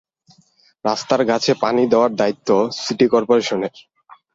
রাস্তার গাছে পানি দেওয়ার দায়িত্ব সিটি করপোরেশনের।